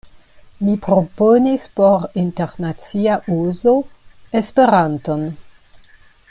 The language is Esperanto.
Mi proponis por internacia uzo Esperanton.